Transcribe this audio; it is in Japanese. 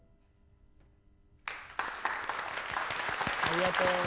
ありがとう。